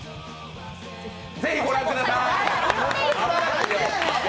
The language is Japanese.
ぜひ、ご覧ください！